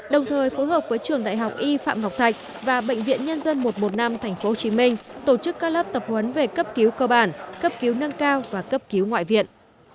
đồng thời phối hợp với trường đại học y phạm ngọc thạch và bệnh viện nhân dân một trăm một mươi năm tp hcm tổ chức các lớp tập huấn về cấp cứu cơ bản cấp cứu nâng cao và cấp cứu ngoại viện